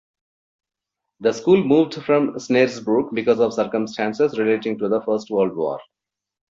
The school moved from Snaresbrook because of circumstances relating to the First World War.